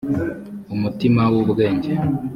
umutima w’ ubwenge